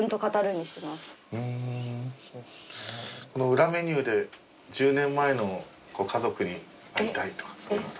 裏メニューで１０年前の家族に会いたいとかそういうの。